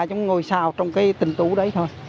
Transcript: giống ngôi sao trong cái tình tú đấy thôi